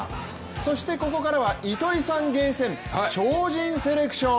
そしてここからは糸井さん厳選超人セレクション。